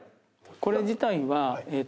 これ自体は。えっ！？